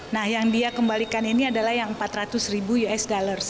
nah yang dia kembalikan ini adalah yang empat ratus ribu usd